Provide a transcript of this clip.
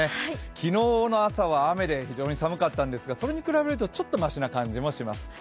昨日の朝は雨で、非常に寒かったんですが、それに比べると、ちょっとましな感じもします。